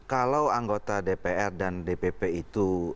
kalau anggota dpr dan dpp itu